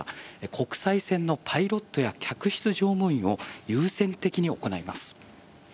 国際線のパイロットや客室乗務員を優先的に行います。